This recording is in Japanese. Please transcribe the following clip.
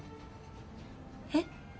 えっ？